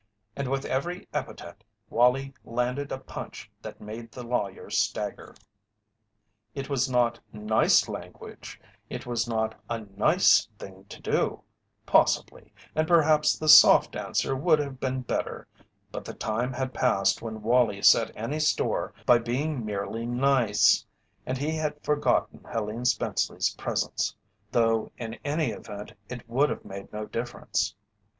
And with every epithet Wallie landed a punch that made the lawyer stagger. It was not "nice" language; it was not a "nice" thing to do, possibly, and perhaps the "soft answer" would have been better, but the time had passed when Wallie set any store by being merely "nice," and he had forgotten Helene Spenceley's presence, though in any event it would have made no difference.